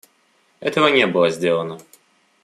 Этого не было сделано.